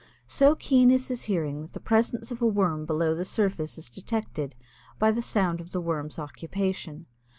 So keen is his hearing that the presence of a Worm below the surface is detected by the sound of the Worm's occupation.